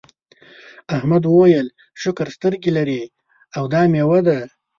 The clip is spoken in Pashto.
احمد وویل شکر سترګې لرې او دا میوه ده.